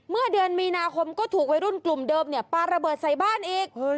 เมื่อเดือนมีนาคมก็ถูกวัยรุ่นกลุ่มเดิมปลาระเบิดใส่บ้านอีก